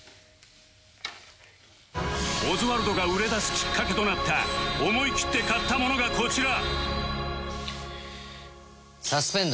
オズワルドが売れだすきっかけとなった思い切って買ったものがこちら